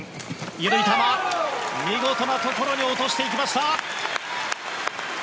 緩い球、見事なところに落としていきました。